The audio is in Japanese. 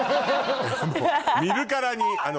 もう見るからに。